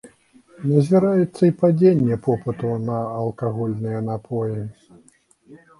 Назіраецца і падзенне попыту на алкагольныя напоі.